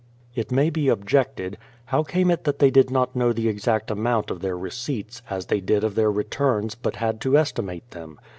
It may be objected; how came it that they did not know the exact amount of their receipts, as they did of their returns, but had to estimate them?